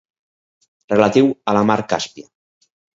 Relatiu a la mar Càspia.